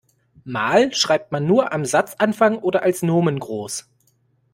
Mal schreibt man nur am Satzanfang oder als Nomen groß.